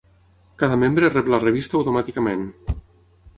Cada membre rep la revista automàticament.